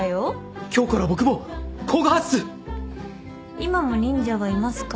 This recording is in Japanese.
「今も忍者はいますか？」